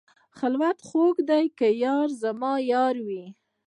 خلوت خوږ دی که یار زما یار وي.